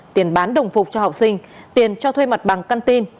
tiền bán đồng phục cho học sinh tiền cho thuê mặt bằng căn tin